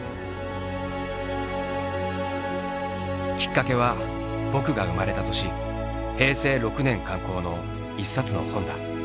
きっかけは「僕」が生まれた年平成６年刊行の一冊の本だ。